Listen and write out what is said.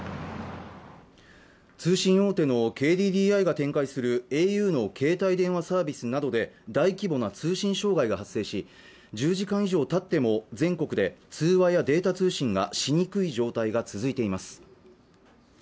通信大手のＫＤＤＩが展開するａｕの携帯電話サービスなどで大規模な通信障害が発生し１０時間以上たっても全国で通話やデータ通信がしにくい状態が続いています